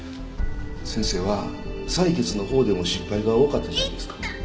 先生は採血のほうでも失敗が多かったじゃないですか。